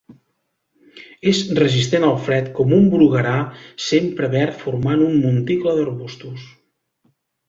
És resistent al fred com un bruguerar sempre verd formant un monticle d'arbustos.